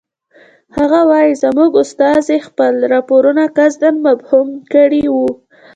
هغه وایي زموږ استازي خپل راپورونه قصداً مبهم کړی وو.